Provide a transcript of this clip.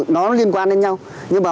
nó liên quan đến nhau nhưng mà